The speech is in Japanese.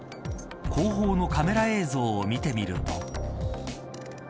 後方のカメラ映像を見てみると。